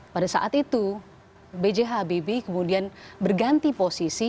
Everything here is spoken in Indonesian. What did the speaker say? pada saat itu b j habibie kemudian berganti posisi